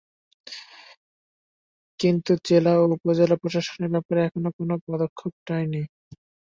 কিন্তু জেলা ও উপজেলা প্রশাসন এ ব্যাপারে এখনো কোনো পদক্ষেপ নেয়নি।